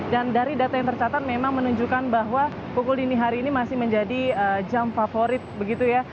dan dari data yang tercatat memang menunjukkan bahwa pukul dini hari ini masih menjadi jam favorit begitu ya